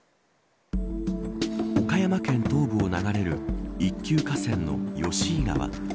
岡山県東部を流れる一級河川の吉井川。